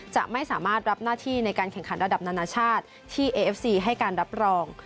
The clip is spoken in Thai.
จะไม่สามารถรับหน้าที่ในการแข่งขันระดับนานาชาติที่เอเอฟซีให้การรับรอง